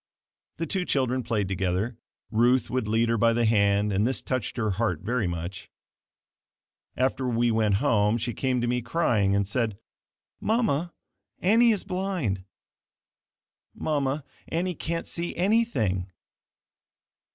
The two children played together. Ruth would lead her by the hand and this touched her heart very much. After we went home, she came to me crying, and said, "Mama, Annie is blind. Mama, Annie can't see anything.